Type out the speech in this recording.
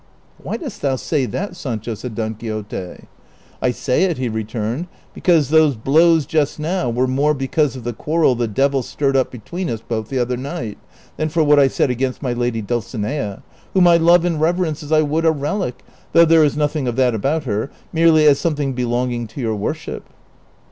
" Why dost thou say that, Sancho ?" said Don Quixote. " I say it," he returned, " because those blows just now were more because of the quarrel the devil stirred up between us both the other night, than for what I said against my lady Dulcinea, whom I love and reverence as I would a relic — though there is nothing of that about her — merely as some thing belonging to your worship."